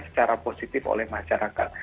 secara positif oleh masyarakat